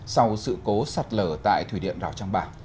sau sự cố sạt lở tại thủy điện rào trang bà